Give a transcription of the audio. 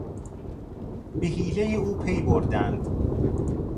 به حیلهی او پیبردند.